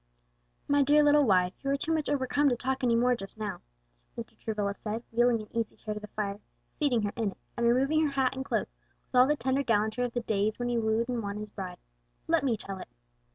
"My dear little wife, you are too much overcome to talk any more just now," Mr. Travilla said, wheeling an easy chair to the fire, seating her in it, and removing her hat and cloak, with all the tender gallantry of the days when he wooed and won his bride; "let me tell it."